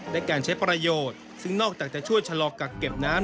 และการใช้ประโยชน์ซึ่งนอกจากจะช่วยชะลอกักเก็บน้ำ